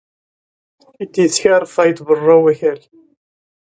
Based on the Alien vs.